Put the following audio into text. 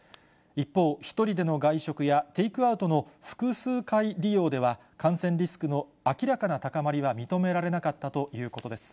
一方、１人での外食や、テイクアウトの複数回利用では、感染リスクの明らかな高まりは認められなかったということです。